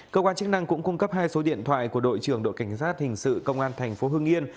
cơ quan chức năng cũng cung cấp hai số điện thoại của đội trưởng đội cảnh sát hình sự công an thành phố hưng yên